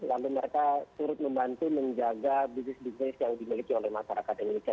lalu mereka turut membantu menjaga bisnis bisnis yang dimiliki oleh masyarakat indonesia